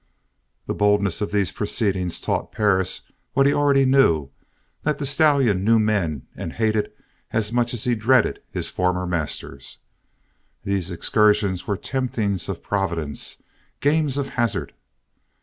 The boldness of these proceedings taught Perris what he already knew, that the stallion knew man and hated as much as he dreaded his former masters. These excursions were temptings of Providence, games of hazard.